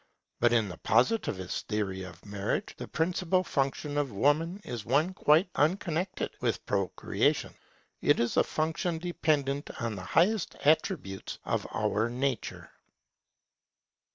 But in the Positivist theory of marriage, the principal function of Woman is one quite unconnected with procreation. It is a function dependent on the highest attributes of our nature.